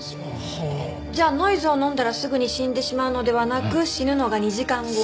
じゃあノイズを飲んだらすぐに死んでしまうのではなく死ぬのが２時間後。